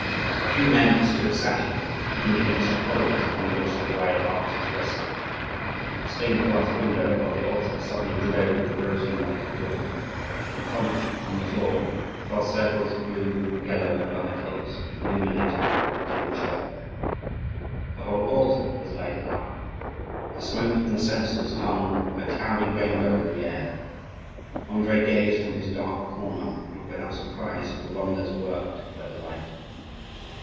A few men stood sadly, leaning against the columns upon which the wide arches rested. The stained glass window above the altar suddenly glowed with the rosy light of dawn; and from it, on the floor, fell circles of blue, yellow, and other colours, illuminating the dim church. The whole altar was lighted up; the smoke from the censers hung a cloudy rainbow in the air. Andrii gazed from his dark corner, not without surprise, at the wonders worked by the light.